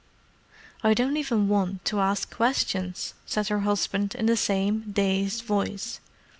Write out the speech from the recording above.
"I don't even want to ask questions," said her husband, in the same dazed voice.